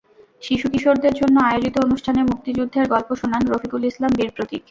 শিশু-কিশোরদের জন্য আয়োজিত অনুষ্ঠানে মুক্তিযুদ্ধের গল্প শোনান রফিকুল ইসলাম বীর প্রতীক।